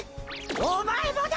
おまえもだ！